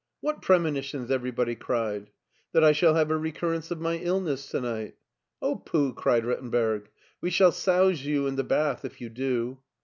" What premonitions ?" everybody cried. "That I shall have a recurrence of my illness to night" " Oh, pooh ! "cried Rittenberg, " we shall souse you in the bath if you do."